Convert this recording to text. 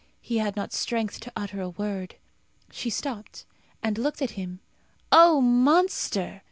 He had not strength to utter a word. She stopped, and looked at him. "O monster!"